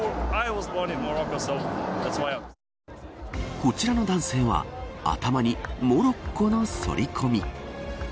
こちらの男性は頭にモロッコのそり込み。